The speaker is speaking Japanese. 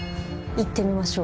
いってみましょう。